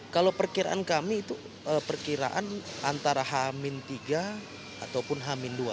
kalau perkiraan kami itu perkiraan antara hamin tiga ataupun hamin dua